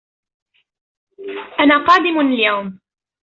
أنا قادمٌ اليوم